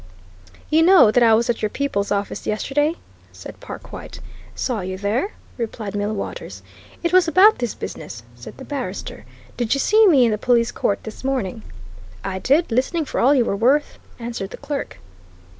"You know that I was at your people's office yesterday?" said Perkwite. "Saw you there," replied Millwaters. "It was about this business," said the barrister. "Did you see me in the police court this morning?" "I did listening for all you were worth," answered the clerk.